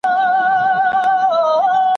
زه به اوږده موده تکړښت کړی وم!!